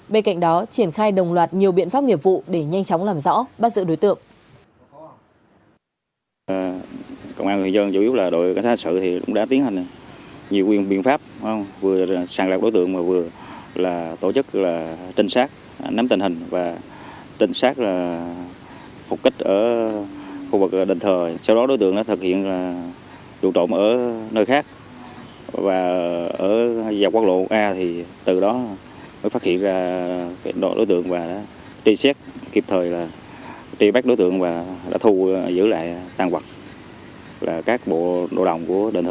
bên cạnh đó triển khai đồng loạt nhiều biện pháp nghiệp vụ để nhanh chóng làm rõ bắt giữ đối tượng